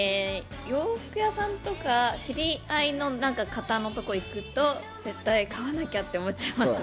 洋服屋さんとか知り合いの方のところに行くと、絶対買わなきゃって思っちゃいます。